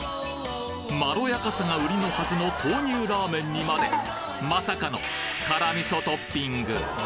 まろやかさが売りのはずの豆乳ラーメンにまでまさかの辛味噌トッピング